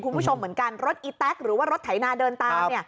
คุณผู้ชมเหมือนกันรถอีแต๊กหรือว่ารถไถนาเดินตาม